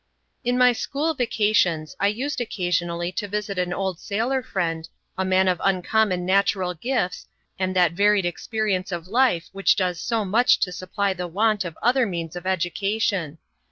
In my school vacations I used occasionally to visit an old sailor friend, a man of uncommon natural gifts, and that varied experience of life which does so much to supply the want of other means of education.